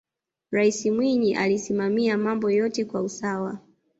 raisi mwinyi alisimamia mambo yote kwa usawa